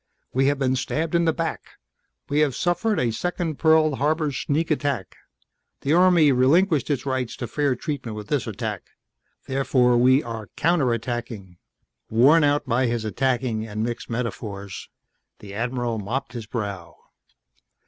We have been stabbed in the back we have suffered a second Pearl Harbor sneak attack! The Army relinquished its rights to fair treatment with this attack. Therefore we are counter attacking!" Worn out by his attacking and mixed metaphors, the Admiral mopped his brow.